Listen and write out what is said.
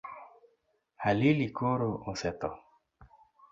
Halili koro osetho.